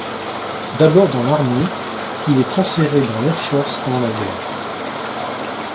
D'abord dans l'Army, il est transféré dans l'Air Force pendant la Guerre.